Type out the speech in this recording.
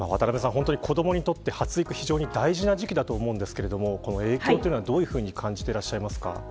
本当に子どもにとって発育、非常に大事な時期だと思うんですがこの影響をどういうふうに感じていますか。